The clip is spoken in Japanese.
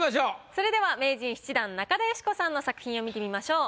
それでは名人７段中田喜子さんの作品を見てみましょう。